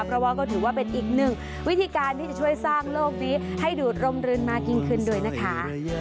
เพราะว่าก็ถือว่าเป็นอีกหนึ่งวิธีการที่จะช่วยสร้างโลกนี้ให้ดูดร่มรื่นมากยิ่งขึ้นด้วยนะคะ